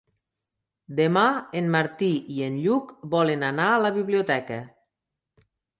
Demà en Martí i en Lluc volen anar a la biblioteca.